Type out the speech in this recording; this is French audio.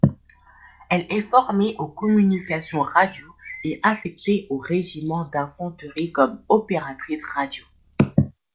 Elle est formée aux communications radio et affecté au Régiment d'Infanterie comme opératrice radio.